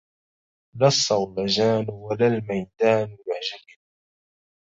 لا الصولجان ولا الميدان يعجبني